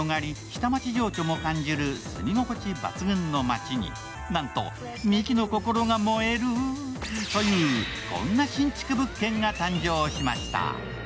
下町情緒も感じる住み心地抜群の街になんとミキの心が燃える！？というこんな新築物件が誕生しました。